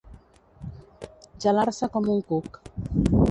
Gelar-se com un cuc.